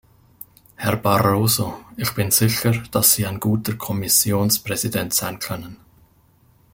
Herr Barroso, ich bin sicher, dass Sie ein guter Kommissionspräsident sein können.